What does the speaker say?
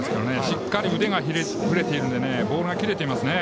しっかり腕が振れているのでボールがキレていますね。